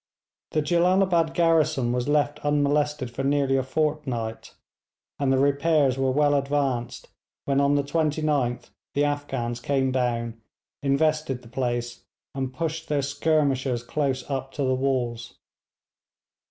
The Jellalabad garrison was left unmolested for nearly a fortnight, and the repairs were well advanced when on the 29th the Afghans came down, invested the place, and pushed their skirmishers close up to the walls.